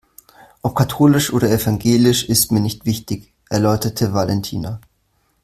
Ob katholisch oder evangelisch ist mir nicht wichtig, erläuterte Valentina.